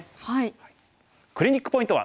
クリニックポイントは。